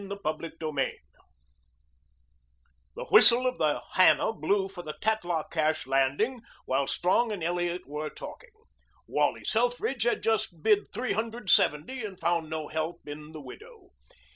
CHAPTER II ENTER A MAN The whistle of the Hannah blew for the Tatlah Cache landing while Strong and Elliot were talking. Wally Selfridge had just bid three hundred seventy and found no help in the widow.